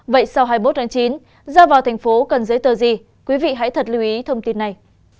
vậy sau hai mươi bốn chín giao vào thành phố cần giới tờ gì quý vị hãy thật lưu ý thông tin này